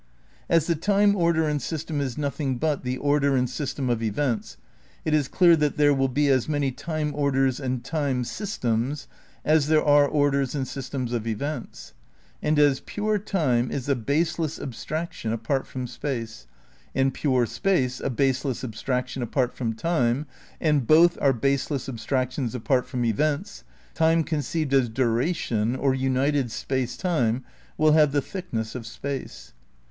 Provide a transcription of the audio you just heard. As the time order and system is nothing but the order and system of events, it is clear that there will be as many time orders and time systems as there are orders and systems of events. And as pure time is a baseless abstraction apart from space, and pure space a baseless abstraction apart from time, and both are baseless ab stractions apart from events, time conceived as dura tion, or united space time, will have the thickness of space.